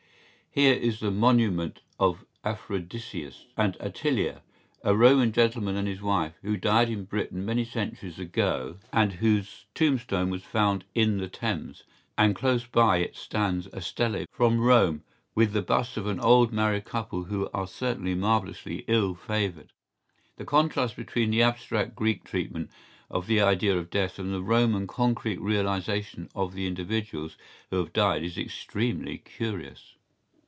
¬Ý Here is the monument of Aphrodisius and Atilia, a Roman gentleman and his wife, who died in Britain many centuries ago, and whose tombstone was found in the Thames; and close by it stands a stele from Rome with the busts of an old married couple who are certainly marvellously ill favoured.¬Ý The contrast between the abstract Greek treatment of the idea of death and the Roman concrete realization of the individuals who have died is extremely curious.